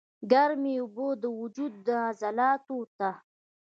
ګرمې اوبۀ د وجود عضلاتو ته